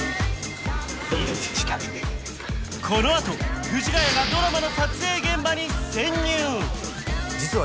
このあと藤ヶ谷がドラマの撮影現場に潜入！